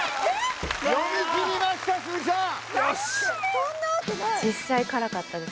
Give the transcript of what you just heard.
読み切りました鈴木さんよし！